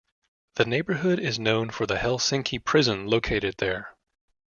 The neighbourhood is known for the Helsinki Prison located there.